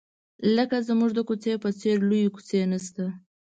لکه زموږ د کوڅې په څېر لویې کوڅې نشته.